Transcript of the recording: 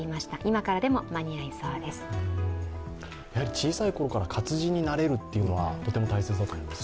小さい頃から活字に慣れるというのは大切だと思います。